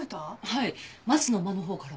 はい松の間のほうから。